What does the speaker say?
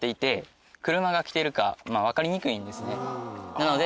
なので。